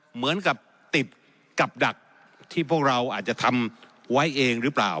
เหมือนกับติดกับดักที่พวกเราอาจจะทำไว้เองหรือเปล่า